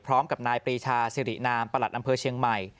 พร้อมกับนายปรีชาสิรินามประหลัดอำเภอเชียงใหม่